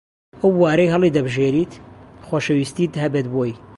ئەو بوارەی هەڵیدەبژێریت خۆشەویستیت هەبێت بۆی